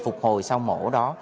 phục hồi sau mổ đó